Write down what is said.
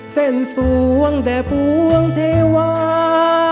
เส้นสวงแด่พวงเทวา